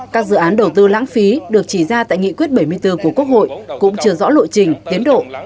các dự án đầu tư lãng phí được chỉ ra tại nghị quyết bảy mươi bốn của quốc hội cũng chưa rõ lộ trình tiến độ